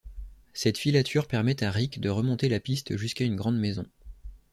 Cette filature permet à Ric de remonter la piste jusqu'à une grande maison.